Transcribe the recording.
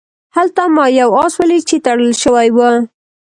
هلته ما یو آس ولید چې تړل شوی و.